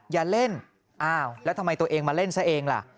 อย่าเล่นอ้าวแล้วทำไมตัวเองมาเล่นซะเองล่ะ